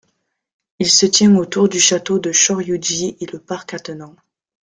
Il se tient autour du château de Shōryūji et le parc attenant.